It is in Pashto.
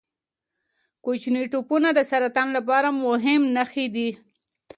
کوچني ټپونه د سرطان لپاره مهم نښې دي.